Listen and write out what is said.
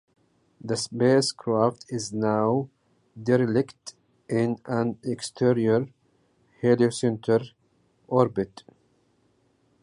The spacecraft is now derelict in an exterior heliocentric orbit.